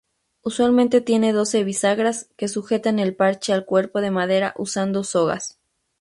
Usualmente tiene doce bisagras que sujetan el parche al cuerpo de madera usando sogas.